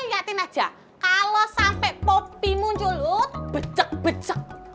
lihat aja kalau sampai popi muncul becek becek